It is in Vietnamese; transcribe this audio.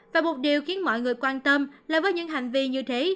và một điều khiến mọi người quan tâm là với những hành vi như thế